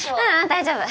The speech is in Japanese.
大丈夫。